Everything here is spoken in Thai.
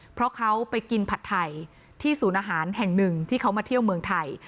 เพราะเขาไปกินผัดไทยที่ศูนย์อาหารแห่งหนึ่งที่เขามาเที่ยวเมืองไทย